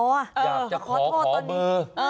อยากจะขอเบอร์